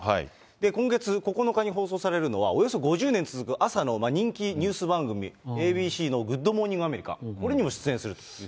今月９日に放送されるのは、およそ５０年続く朝の人気ニュース番組、ＡＢＣのグッドモーニングアメリカ、これにも出演するという。